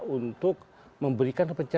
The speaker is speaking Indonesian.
untuk memberikan kepencangan